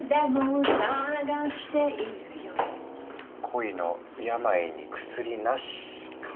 恋の病に薬なしか。